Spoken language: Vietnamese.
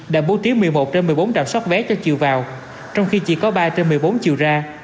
đã bố tiếu một mươi một một mươi bốn trạm sót vé cho chiều vào trong khi chỉ có ba một mươi bốn chiều ra